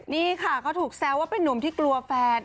นี่ค่ะเขาถูกแซวว่าเป็นนุ่มที่กลัวแฟน